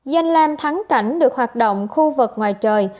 danh lam thắng cảnh được hoạt động khu vực ngoài trời